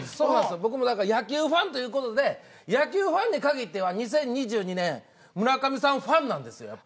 僕も野球ファンという事で野球ファンに限っては２０２２年村上さんファンなんですやっぱ。